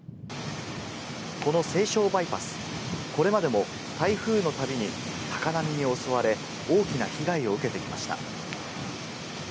この西湘バイパス、これまでも台風のたびに高波に襲われ、大きな被害を受けてきました。